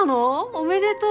おめでとう。